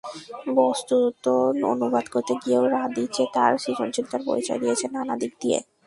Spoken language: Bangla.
বস্তুত, অনুবাদ করতে গিয়েও রাদিচে তাঁর সৃজনশীলতার পরিচয় দিয়েছেন নানা দিক দিয়ে।